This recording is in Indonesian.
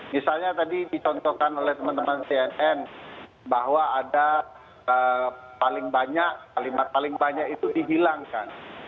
misalnya tadi dicontohkan oleh teman teman cnn bahwa ada paling banyak kalimat paling banyak itu dihilangkan